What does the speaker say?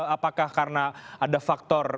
apakah karena ada faktor